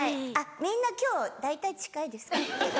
みんな今日大体近いです。